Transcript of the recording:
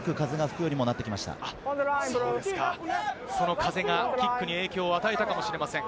その風がキックに影響を与えたかもしれません。